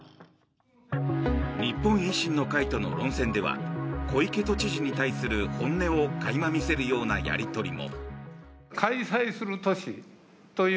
日本維新の会との論戦では小池都知事に対する本音を垣間見せるようなやり取りも。